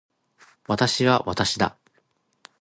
私は私だ。